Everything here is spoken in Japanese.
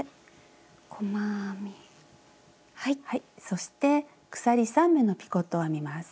そして鎖３目のピコットを編みます。